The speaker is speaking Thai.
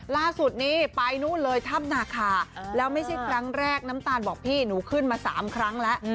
ล่าสุดนี้ไปนู่นเลยถ้ำนาคาแล้วไม่ใช่ครั้งแรกน้ำตาลบอกพี่หนูขึ้นมา๓ครั้งแล้ว